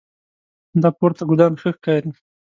دا پورته ګلان ښه ښکاري